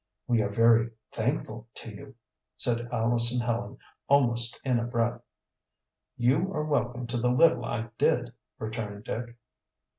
"We are very thankful to you," said Alice and Helen, almost in a breath. "You are welcome to the little I did," returned Dick.